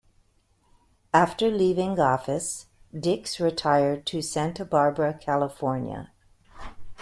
After leaving office Dix retired to Santa Barbara, California.